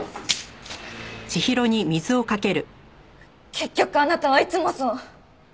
結局あなたはいつもそう。